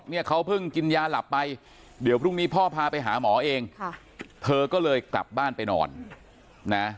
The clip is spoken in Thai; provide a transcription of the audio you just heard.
เนี่ยเขาเพิ่งกินยาหลับไปเดี๋ยวพรุ่งนี้พ่อพาไปหาหมอเองค่ะเธอก็เลยกลับบ้านไปนอนนะ